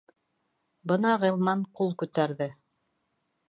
Бына Ғилман ҡул күтәрҙе.